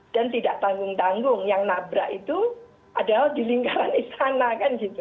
dan tidak tanggung tanggung yang nabrak itu adalah di lingkaran istana kan gitu